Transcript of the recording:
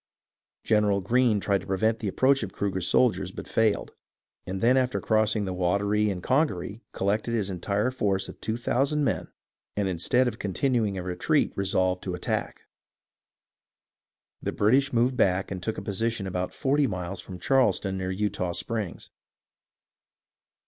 General Greene tried to prevent the approach of Cru ger's soldiers, but failed, and then after crossing the Wateree and Congaree collected his entire force of two thousand men, and instead of continuing a retreat resolved to attack. The British moved back and took a position about forty miles from Charleston near Eutaw Springs.